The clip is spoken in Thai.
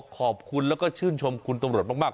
ขอบคุณแล้วก็ชื่นชมคุณตำรวจมาก